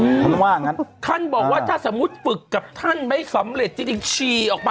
ท่านว่างั้นท่านบอกว่าถ้าสมมุติฝึกกับท่านไม่สำเร็จจริงจริงฉี่ออกมา